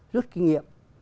rút kinh nghiệm